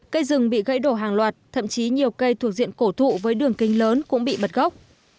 cây rừng bị gãy đổ hàng loạt thậm chí nhiều cây thuộc diện cổ thụ với đường kinh lớn cũng bị bật gốc